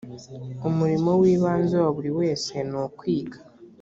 umurimo w ibanze wa buri wese nukwiga